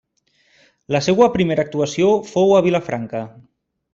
La seua primera actuació fou a Vilafranca.